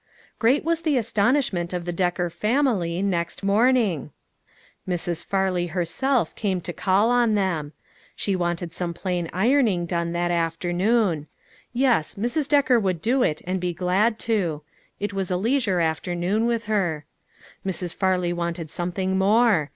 Great was the astonishment of the Decker family, next morning. Mrs. Farley herself came to call on them. She wanted some plain iron ing done that afternoon. Yes, Mrs. Decker would do it and be glad to ; it was a leisure 398 LITTLE FISHBKS: AND THEIR NETS. afternoon with her. Mrs. Farley wanted some thing more